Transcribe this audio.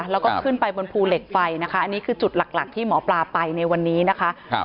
แล้วก็ขึ้นไปบนภูเหล็กไฟนะคะอันนี้คือจุดหลักที่หมอปลาไปในวันนี้นะคะ